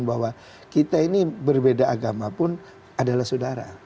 bahwa kita ini berbeda agama pun adalah saudara